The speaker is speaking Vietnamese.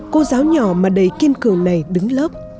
cô giáo nhỏ mà đầy kiên cường này đứng lớp